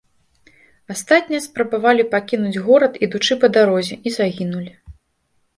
Астатнія спрабавалі пакінуць горад, ідучы па дарозе, і загінулі.